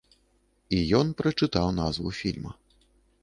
І ён прачытаў назву фільма.